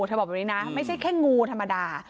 เธอบอกแบบนี้นะไม่ใช่แค่งูธรรมดา